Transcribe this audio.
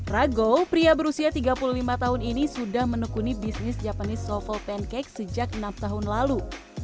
rago pria berusia tiga puluh lima tahun ini sudah menekuni bisnis japanese softle pancake sejak enam tahun lalu